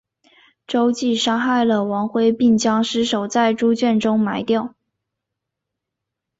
周玘杀害了王恢并将尸首在猪圈中埋掉。